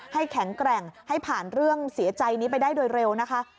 แข็งแกร่งให้ผ่านเรื่องเสียใจนี้ไปได้โดยเร็วนะคะ